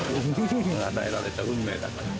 与えられた運命だから。